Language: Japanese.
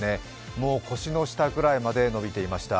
もう腰の下くらいまで伸びていました。